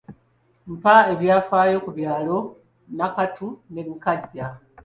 Mpa ebyafaayo ku byalo Nakatu ne Nkajja.